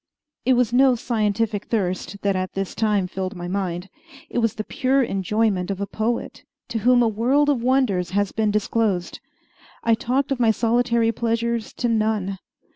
It was no scientific thirst that at this time filled my mind. It was the pure enjoyment of a poet to whom a world of wonders has been disclosed. I talked of my solitary pleasures to none.